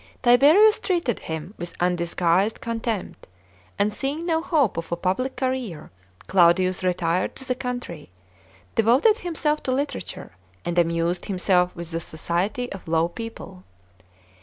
Tiberius treated him with undisguised con tempt, and seeing no hope of a public career, Claudius retired to the country, devoted himself to literature, and amused himself with the society of low people.